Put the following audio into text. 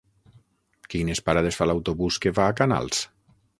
Quines parades fa l'autobús que va a Canals?